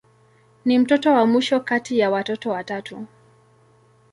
Ni mtoto wa mwisho kati ya watoto watatu.